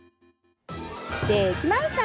できました。